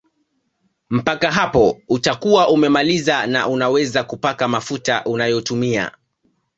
Mpaka hapo utakuwa umemaliza na unaweza kupaka mafuta unayotumia